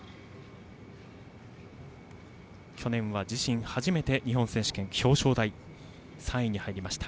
去年は自身初めて日本選手権で表彰台の３位に入りました。